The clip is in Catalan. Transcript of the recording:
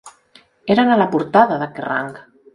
Eren a la portada de Kerrang!